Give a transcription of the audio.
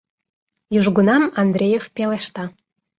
— южгунам Андреев пелешта.